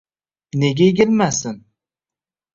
Nega egilmasin